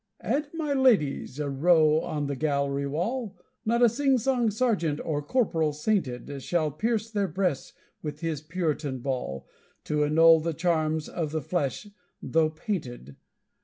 And my ladies, a row on the gallery wall, Not a sing song sergeant or corporal sainted Shall pierce their breasts with his Puritan ball, To annul the charms of the flesh, though painted!